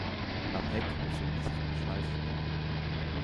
Am Heck befindet sich ein Schleifsporn.